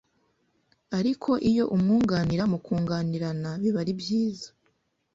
ariko iyo umwunganira mukunganirana biba byiza